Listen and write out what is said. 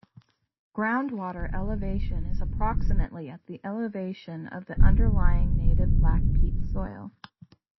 Groundwater elevation is approximately at the elevation of the underlying native black peat soil.